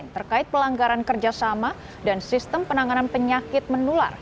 terkait pelanggaran kerjasama dan sistem penanganan penyakit menular